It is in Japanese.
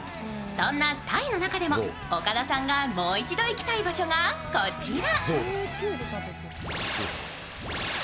そんなタイの中でも岡田さんがもう一度行きたい場所がこちら。